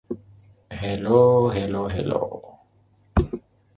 The college also attracts international students.